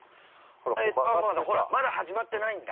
◆まだ始まってないんだ。